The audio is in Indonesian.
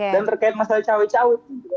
dan terkait masalah cawe cawe